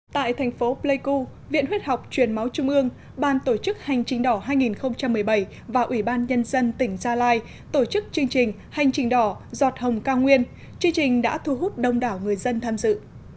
tại thành phố pleiku viện huyết học truyền máu trung ương ban tổ chức hành trình đỏ hai nghìn một mươi bảy và ủy ban nhân dân tỉnh gia lai tổ chức chương trình hành trình đỏ giọt hồng cao nguyên chương trình đã thu hút đông đảo người dân tham dự